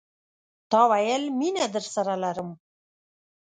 تا ویل، مینه درسره لرم